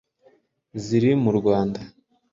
ziri mu Rwanda,